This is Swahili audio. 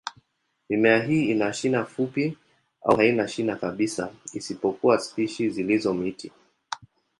Mimea hii ina shina fupi au haina shina kabisa, isipokuwa spishi zilizo miti.